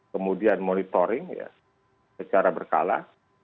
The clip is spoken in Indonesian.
kemudian monitoring secara berkala